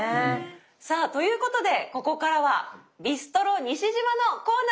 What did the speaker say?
さあということでここからは「ビストロＮＩＳＨＩＪＩＭＡ」のコーナーです。